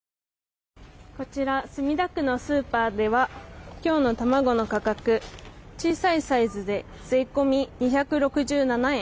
こちら墨田区のスーパーでは今日の卵の価格、小さいサイズで税込み２６７円。